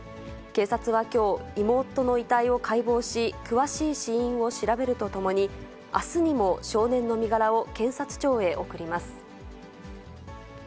警察はきょう、妹の遺体を解剖し、詳しい死因を調べるとともに、あすにも少年の身柄を検察庁へ送ります。